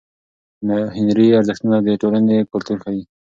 هنري ارزښتونه د ټولنې کلتور ښیي.